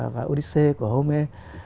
và odise của homer